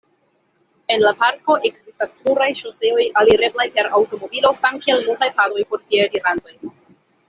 En la parko ekzistas pluraj ŝoseoj alireblaj per aŭtomobilo, samkiel multaj padoj por piedirantoj.